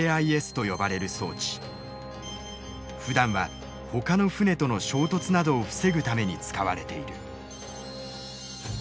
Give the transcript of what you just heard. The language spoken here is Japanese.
ふだんはほかの船との衝突などを防ぐために使われている。